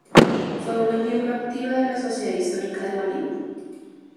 Fue una miembro activa de la Sociedad Histórica de Malibú.